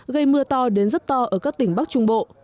gây mưa to đến rất to ở các tỉnh bắc trung bộ